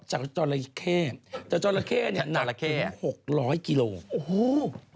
อ๋อจากจอราเคจอราเคเนี่ยหนักถึงหกร้อยกิโลกรัม